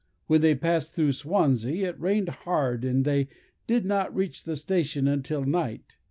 When they passed through Swanzey, it rained hard, and they did not reach the station until night.